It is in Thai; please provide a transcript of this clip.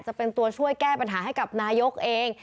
จะเป็นตัวช่วยแก้ปัญหาให้กับนายกเอง